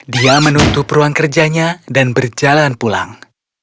dia menutup ruang kerjanya dan berjalan pulang